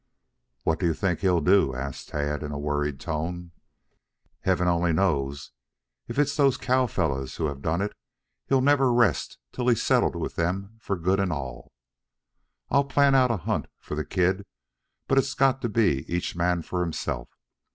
"What do you think he'll do?" asked Tad in a worried tone. "Heaven only knows. If it's those cow fellows who have done it, he'll never rest till he's settled with them for good and all. I'll plan out a hunt for the kid, but it has got to be each man for himself.